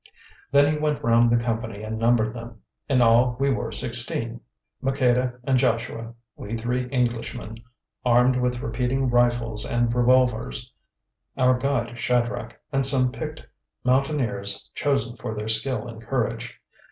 Then he went round the company and numbered them. In all we were sixteen; Maqueda and Joshua, we three Englishmen, armed with repeating rifles and revolvers, our guide Shadrach, and some picked Mountaineers chosen for their skill and courage.